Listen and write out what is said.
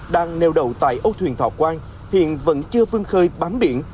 đang nêu đầu tại âu thuyền thọ quang hiện vẫn chưa vươn khơi bám biển